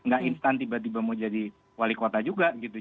gak instan tiba tiba mau jadi wali kota juga gitu